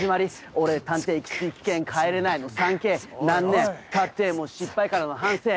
俺探偵キツい・危険・帰れないの ３Ｋ 何年経っても失敗からの反省